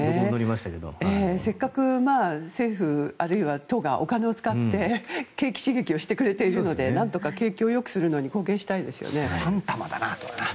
せっかく政府あるいは都がお金を使って景気刺激をしてくれているので何とか景気を良くするのに貢献したいですよね。